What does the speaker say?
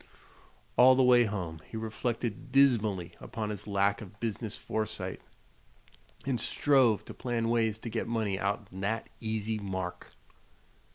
All the way home he reflected dismally upon his lack of business foresight, and strove to plan ways to get money "out'n thet easy mark."